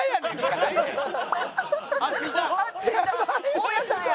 大家さんや。